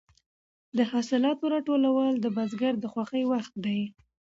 د حاصلاتو راټولول د بزګر د خوښۍ وخت دی.